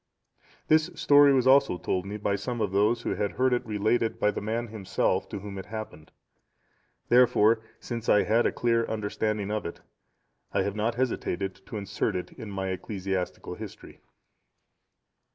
This story was also told me by some of those who had heard it related by the man himself to whom it happened; therefore, since I had a clear understanding of it, I have not hesitated to insert it in my Ecclesiastical History.